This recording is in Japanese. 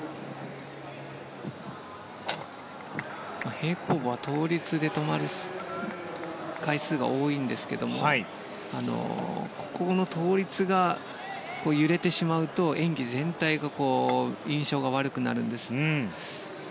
平行棒は倒立で止まる回数が多いんですが倒立が揺れてしまうと演技全体の印象が悪くなるんです。